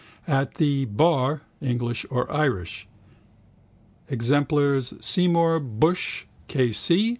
At the bar, English or Irish: exemplars, Seymour Bushe, K.